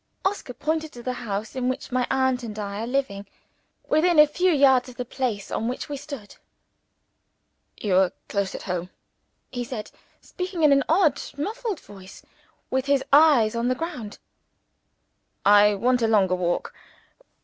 Oscar pointed to the house in which my aunt and I are living within a few yards of the place on which we stood. "You are close at home," he said, speaking in an odd muffled voice, with his eyes on the ground. "I want a longer walk.